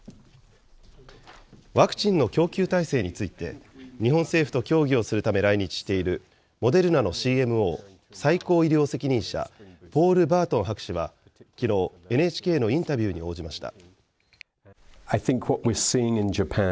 ワクチンの供給体制について日本政府と協議をするため来日しているモデルナのＣＭＯ・最高医療責任者、ポール・バートン博士はきのう、ＮＨＫのインタビューに応じました。